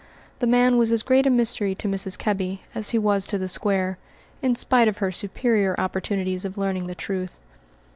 The man was as great a mystery to Mrs. Kebby as he was to the square, in spite of her superior opportunities of learning the truth.